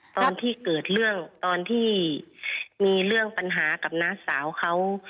ตอนที่เกิดเรื่องตอนที่มีเรื่องปัญหากับน้าสาวเขา